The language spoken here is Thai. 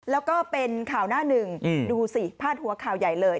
แล้วก็เป็นข่าวหน้าหนึ่งดูสิพาดหัวข่าวใหญ่เลย